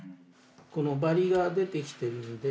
このバリが出てきてるんで。